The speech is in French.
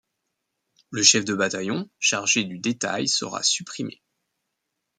Le chef de bataillon chargé du détail sera supprimé.